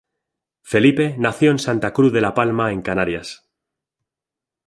Felipe nació en Santa Cruz de la Palma en Canarias.